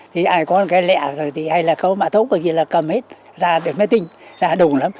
thì ai có cái lẹ thì hay là có mạ thúc thì là cầm hết ra để mới tinh ra đúng lắm